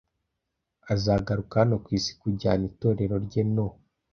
azagaruka hano ku isi kujyana itorero rye no